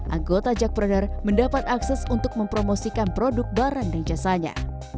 anggota jakpreneur mendapat akses untuk mempromosikan produk barang dan jasanya